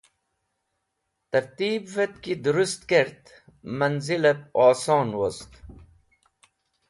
Tẽrtibvẽt ki drũst kert mẽnzilẽb osonwost